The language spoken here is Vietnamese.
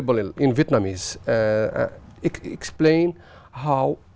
bức tượng này vừa được